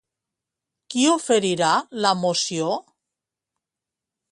Qui oferirà la moció?